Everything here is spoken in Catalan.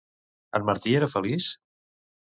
En Martí era feliç?